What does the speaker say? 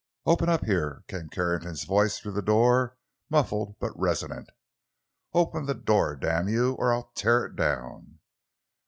"Open up, here!" came Carrington's voice through the door, muffled, but resonant. "Open the door, damn you, or I'll tear it down!"